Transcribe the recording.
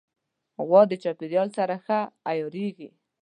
غوا د چاپېریال سره ښه عیارېږي.